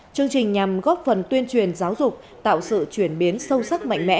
chương trình nhằm góp phần tuyên truyền giáo dục tạo sự chuyển biến sâu sắc mạnh mẽ